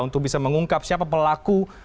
untuk bisa mengungkap siapa pelaku